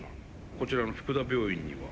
こちらの福田病院には？